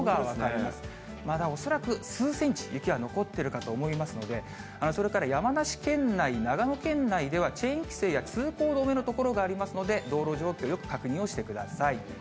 まだ恐らく数センチ、雪は残っているかと思いますので、それから山梨県内、長野県内ではチェーン規制や通行止めの所がありますので、道路状況、よく確認をしてください。